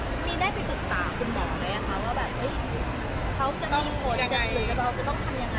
มีได้ไปปรึกษาคุณหมอไหมคะว่าแบบเขาจะมีผลจะต้องทำยังไง